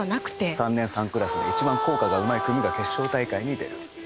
３年３クラスで一番校歌がうまい組が決勝大会に出る。